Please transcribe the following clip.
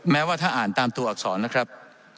แม้ว่าถ้าอ่านตามตัวอักษรนะครับ